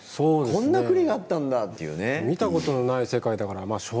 こんな国があったんだっていう。